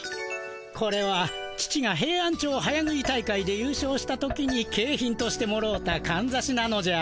これは父がヘイアンチョウ早食い大会でゆう勝した時にけい品としてもろうたかんざしなのじゃ。